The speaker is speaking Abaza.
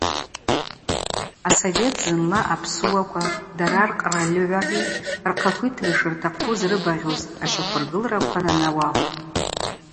Асовет зынла апсыуаква дара ркъральыгӏвари рхъахвитри шыртахъу зрыбагъьуз ащаквыргылраква нанауахвтӏ.